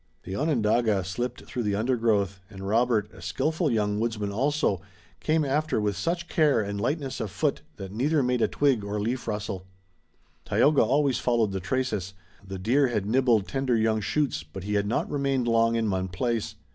The Onondaga slipped through the undergrowth, and Robert, a skillful young woodsman also, came after with such care and lightness of foot that neither made a twig or leaf rustle. Tayoga always followed the traces. The deer had nibbled tender young shoots, but he had not remained long in one place.